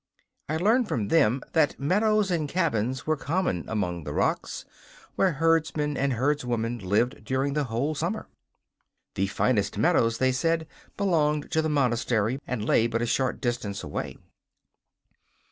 I learned from them that meadows and cabins were common among the rocks, where herdsmen and herdswomen lived during the whole summer. The finest meadows, they said, belonged to the monastery, and lay but a short distance away.